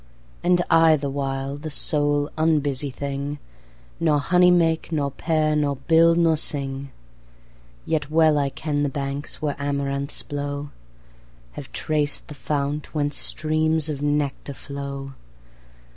And I, the while, the sole unbusy thing, 5 Nor honey make, nor pair, nor build, nor sing. Yet well I ken the banks where amaranths blow, Have traced the fount whence streams of nectar flow.